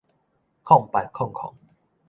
空八空空